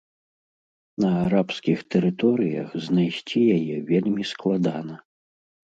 На арабскіх тэрыторыях знайсці яе вельмі складана.